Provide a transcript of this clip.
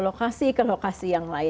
lokasi ke lokasi yang lain